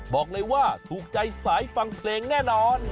บอกเลยว่าถูกใจสายฟังเพลงแน่นอน